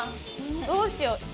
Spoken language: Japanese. どうしよう。